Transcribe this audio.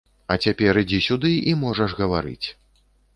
А цяпер ідзі сюды і можаш гаварыць.